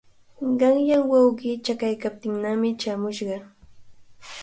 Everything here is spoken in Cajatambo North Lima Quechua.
Qanyan wawqii chakaykaptinnami chaamushqa.